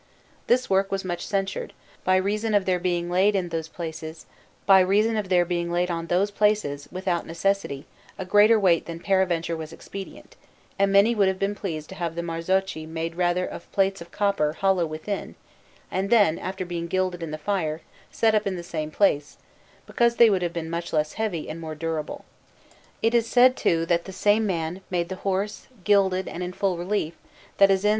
This work was much censured, by reason of there being laid on those places, without necessity, a greater weight than peradventure was expedient; and many would have been pleased to have the marzocchi made rather of plates of copper, hollow within, and then, after being gilded in the fire, set up in the same place, because they would have been much less heavy and more durable. It is said, too, that the same man made the horse, gilded and in full relief, that is in S.